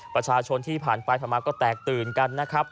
ประชาชนที่ผ่านไปผ่านมาก็แตกตื่นกันนะครับ